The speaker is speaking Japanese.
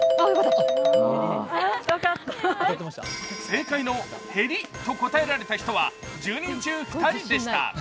正解のへりと答えられた人は１０人中２人でした。